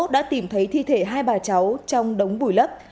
đã tìm thấy thi thể hai bà cháu trong đống vùi lấp